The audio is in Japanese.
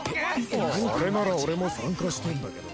あれなら俺も参加したいんだけど。